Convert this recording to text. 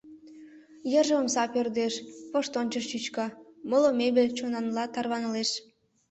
Йырже омса пӧрдеш, воштончыш чӱчка, моло мебель чонанла тарванылеш.